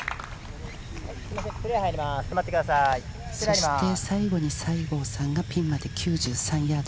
そして最後に、西郷さんがピンまで９３ヤード。